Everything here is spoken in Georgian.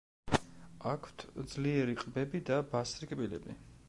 აქვთ ძლიერი ყბები და ბასრი კბილები.